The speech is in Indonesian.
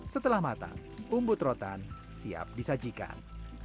setelah matang umbut rotan siap disajikan